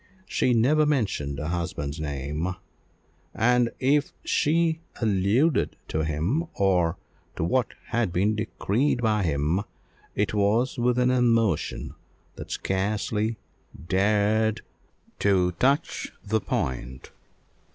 She never mentioned her husband's name, and if she alluded to him, or to what had been decreed by him, it was with an emotion that scarcely dared to touch the point.